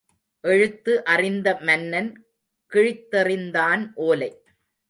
எழுத்து அறிந்த மன்னன் கிழித்தெறிந்தான் ஓலை.